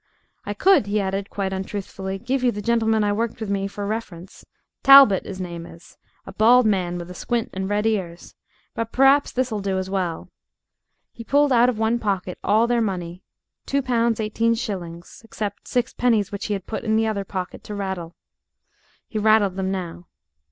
"I could," he added, quite untruthfully, "give you the gentleman I worked with for me reference Talbott, 'is name is a bald man with a squint and red ears but p'raps this'll do as well." He pulled out of one pocket all their money two pounds eighteen shillings except six pennies which he had put in the other pocket to rattle. He rattled them now.